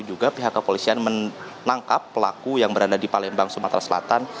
juga pihak kepolisian menangkap pelaku yang berada di palembang sumatera selatan